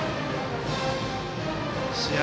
試合